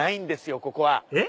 ここは。えっ？